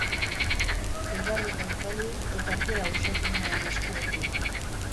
Zigarreta itzali, eta kea uxatu nuen eskuekin.